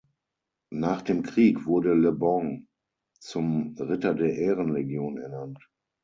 Nach dem Krieg wurde Le Bon zum Ritter der Ehrenlegion ernannt.